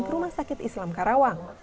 ke rumah sakit islam karawang